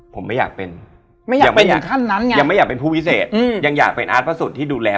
เพิ่มเลเวล